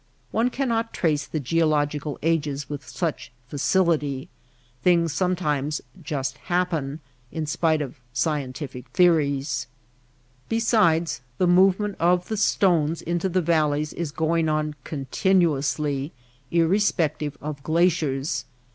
One cannot trace the geological ages with such facility. Things sometimes ^^ just happen/^ in spite of scientific theories. Besides, the movement of the stones into the valleys is going on continuously, irrespective of glaciers.